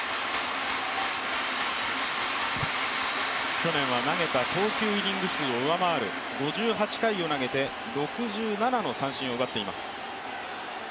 去年は投げた投球イニング数を上回る５８回を投げて６７の三振を奪っています。